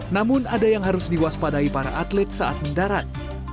namun ada yang harus diwaspadai para atlet saat mendarat